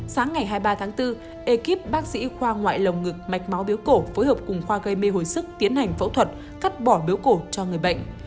sáng ngày hai mươi ba tháng bốn ekip bác sĩ khoa ngoại lồng ngực mạch máu biếu cổ phối hợp cùng khoa gây mê hồi sức tiến hành phẫu thuật cắt bỏ biếu cổ cho người bệnh